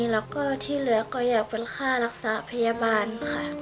แล้วก็ที่เหลือก็อยากเป็นค่ารักษาพยาบาลค่ะ